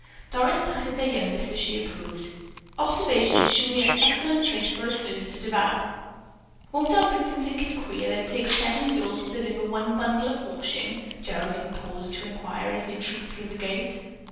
Doris patted their youngest as she approved: "Observation is surely an excellent trait for a sleuth to develop." "Won't our victim think it queer that it takes seven girls to deliver one bundle of wash?" Geraldine paused to inquire as they trooped through the gate.